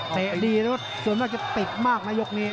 ดีแล้วส่วนมากจะติดมากนะยกนี้